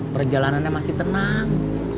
perjalanannya masih tenang